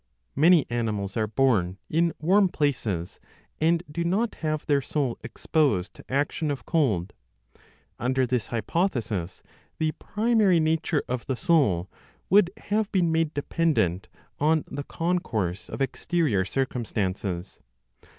Many animals are born in warm places, and do not have their soul exposed to action of cold. Under this hypothesis, the primary nature of the soul would have been made dependent on the concourse of exterior circumstances.